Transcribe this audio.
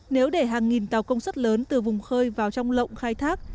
nếu để hàng nghìn tàu công suất lớn từ vùng khơi vào trong lộng khai thác